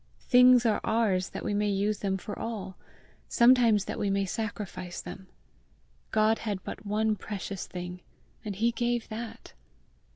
Things are ours that we may use them for all sometimes that we may sacrifice them. God had but one precious thing, and he gave that!